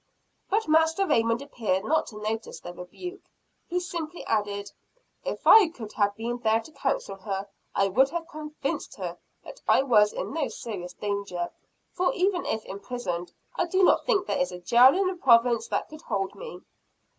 But Master Raymond appeared not to notice the rebuke. He simply added: "If I could have been there to counsel her, I would have convinced her that I was in no serious danger for, even if imprisoned, I do not think there is a jail in the Province that could hold me."